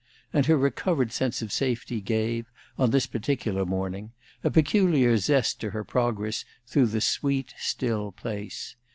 And her recovered sense of safety gave, on this particular morning, a peculiar zest to her progress through the sweet, still place.